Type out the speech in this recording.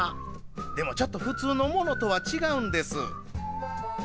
でもちょっと普通のものとは違うんです。